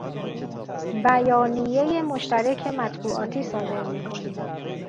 بیانیه مشترک مطبوعاتی صادر می کنیم.